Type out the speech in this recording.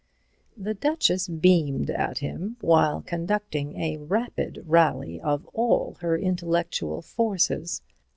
The Duchess beamed at him, while conducting a rapid rally of all her intellectual forces.